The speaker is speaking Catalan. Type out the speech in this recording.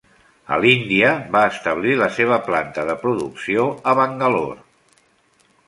A l'Índia va establir la seva planta de producció a Bangalore.